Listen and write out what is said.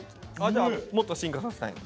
じゃあもっと進化させたいの？